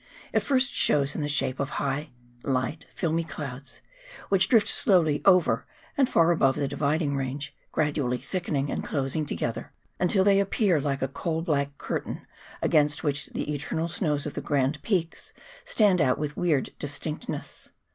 It first shows in the shape of high, light, filmy clouds, which drift slowly over and far above the Dividing Range, gradually thickening and closing together, until they appear like a coal black curtain, against which the eternal snows of the great peaks stand out with weird distinctness.